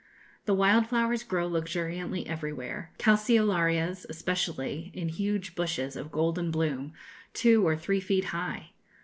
The wild flowers grow luxuriantly everywhere: calceolarias, especially, in huge bushes of golden bloom, two or three feet high.